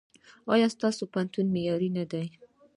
ایا ستاسو پوهنتون معیاري نه دی؟